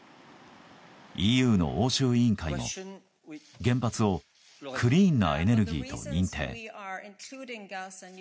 ＥＵの欧州委員会も、原発をクリーンなエネルギーと認定。